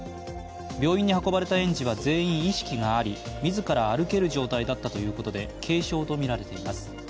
病院に運ばれた園児は全員意識があり、自ら歩ける状態だったということで、軽傷とみられています。